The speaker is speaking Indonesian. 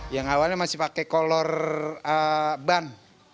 yang awalnya masih pakai kolor ban